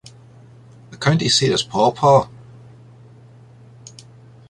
The county seat is Paw Paw.